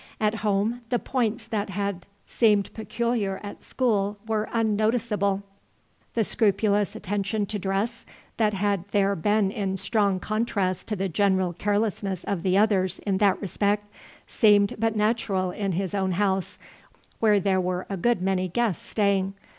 At home the points that had seemed peculiar at school were unnoticeable. The scrupulous attention to dress that had there been in strong contrast to the general carelessness of the others in that respect, seemed but natural in his own house, where there were a good many guests staying.